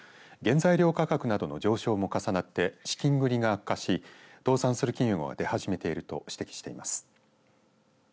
材料価格の上昇も高まって資金繰りが悪化し倒産する企業が出始めていると指摘しています。